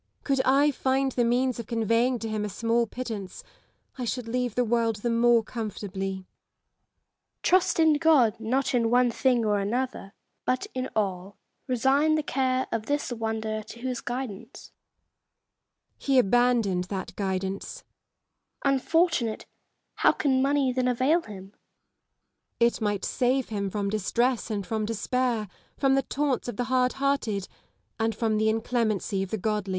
Could I find the means of conveying to him a small pittance, I should leave the world the more comfortably. Lady Lisle. Trust in God ; not in one thing or another, 84 /MA GIN A R V CONVERSA TIONS. but in all. Resign the care of this wanderer to Ida guidance. Elizabeth Gaunt. He abandoned that guidance. Lady Lisle. Unfortunate ! how can money then avail him? Elizabeth Gaunt. It might save him from distress and from despair, from the taunts of the hard hearted, and from the inclemency of the godly.